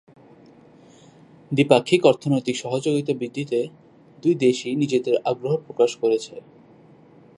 দ্বিপাক্ষিক অর্থনৈতিক সহযোগিতা বৃদ্ধিতে দুই দেশই নিজেদের আগ্রহ প্রকাশ করেছে।